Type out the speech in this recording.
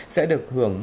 sẽ được quyết định